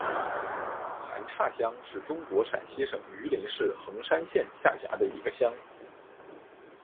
韩岔乡是中国陕西省榆林市横山县下辖的一个乡。